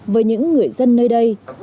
với những người dân nơi đây